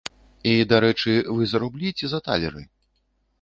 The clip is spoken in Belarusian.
І дарэчы, вы за рублі ці за талеры?